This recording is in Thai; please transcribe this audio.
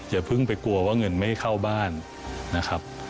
อย่าเพิ่งไปกลัวว่าเงินไม่เข้าบ้านนะครับ